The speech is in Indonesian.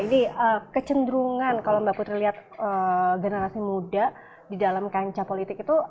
ini kecenderungan kalau mbak putri lihat generasi muda di dalam kancah politik itu